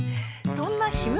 そんなひむ